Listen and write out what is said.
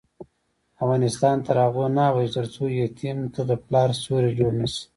افغانستان تر هغو نه ابادیږي، ترڅو یتیم ته د پلار سیوری جوړ نشي.